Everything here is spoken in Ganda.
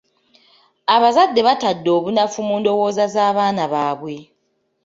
Abazadde batadde obunafu mu ndowooza z'abaana baabwe.